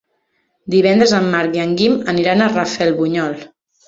Divendres en Marc i en Guim aniran a Rafelbunyol.